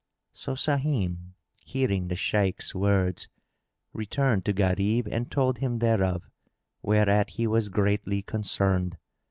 So Sahim, hearing the Shaykh's words, returned to Gharib and told him thereof, whereat he was greatly concerned.